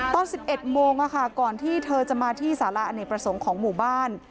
ตอน๑๑โมงก่อนที่เธอจะมาที่สาระอเนกประสงค์ของหมู่บ้าน